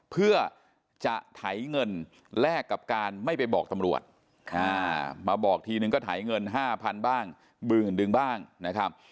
เพื่อจะไถเงินแลกกับการไม่ไปบอกตำรวจมาบอกทีนึงก็ไถเงิน๕๐๐๐บ้างหมื่นนึงบ้างนะครับ